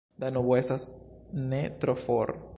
Danubo estas ne tro for.